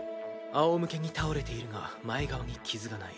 あおむけに倒れているが前側に傷がない。